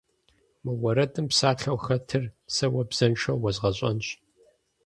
Мы уэрэдым псалъэу хэтыр сэ уэ бзэншэу уэзгъэщӏэнщ.